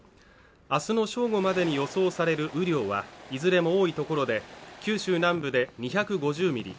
明日の正午までに予想される雨量はいずれも多いところで九州南部で２５０ミリ